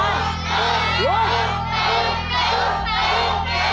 เจ้าแฟน